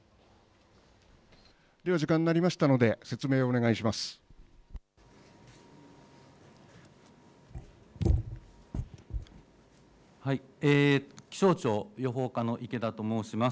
では時間になりましたので説明をお願いします。